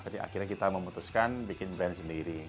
jadi akhirnya kita memutuskan bikin brand sendiri